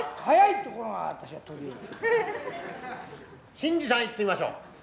伸治さんいってみましょう。